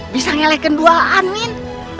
bisa ngelek kedua anmin